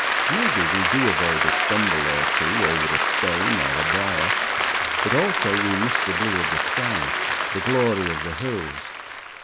Maybe, we do avoid a stumble or two over a stone or a brier, but also we miss the blue of the sky, the glory of the hills.